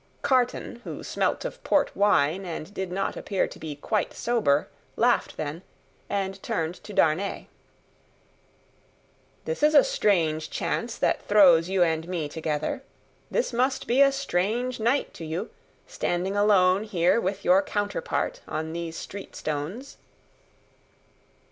Carton, who smelt of port wine, and did not appear to be quite sober, laughed then, and turned to Darnay: "This is a strange chance that throws you and me together. This must be a strange night to you, standing alone here with your counterpart on these street stones?"